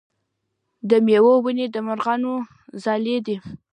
د میوو ونې د مرغانو ځالې دي.